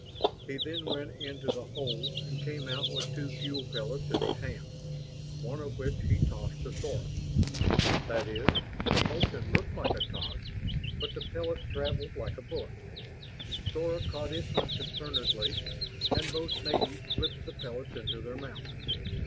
He then went into the hold and came out with two fuel pellets in his hand, one of which he tossed to Sora. That is, the motion looked like a toss, but the pellet traveled like a bullet. Sora caught it unconcernedly and both natives flipped the pellets into their mouths.